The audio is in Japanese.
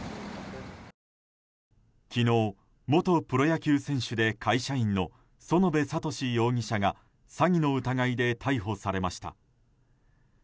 昨日、元プロ野球選手で会社員の園部聡容疑者が詐欺の疑いで逮捕されました。